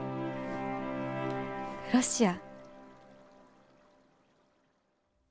ロシア。